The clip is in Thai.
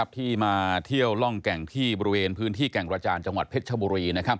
ที่มาเที่ยวร่องแก่งที่บริเวณพื้นที่แก่งกระจานจังหวัดเพชรชบุรี